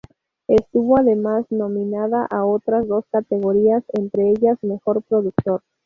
Estuvo además nominada a otras dos categorías, entre ellas mejor productor.